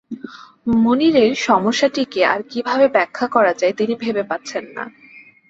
মুনিরের সমস্যাটিকে আর কীভাবে ব্যাখ্যা করা যায়, তিনি ভেবে পাচ্ছেন না।